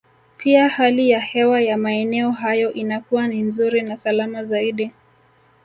Pia hali ya hewa ya maeneo hayo inakuwa ni nzuri na salama zaidi